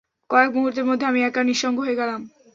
কয়েক মুহূর্তের মধ্যে আমি একা, নিঃসঙ্গ হয়ে গেলাম।